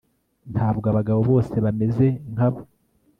ntabwo abagabo bose bameze nkabo